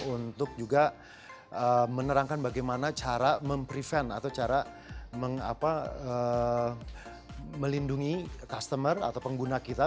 untuk juga menerangkan bagaimana cara memprevent atau cara melindungi customer atau pengguna kita